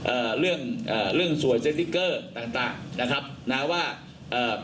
เอ่อเรื่องเอ่อเรื่องสวยต่างต่างนะครับนะฮะว่าเอ่อ